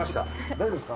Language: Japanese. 大丈夫ですか？